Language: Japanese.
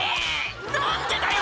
何でだよ！」